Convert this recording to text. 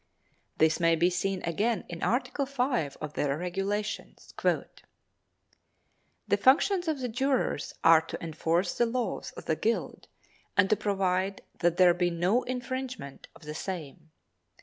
This may be seen again in Article V of their regulations; "The functions of the jurors are to enforce the laws of the guild and to provide that there be no infringement of the same.